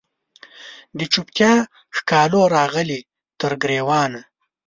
د چوپتیا ښکالو راغلې تر ګریوانه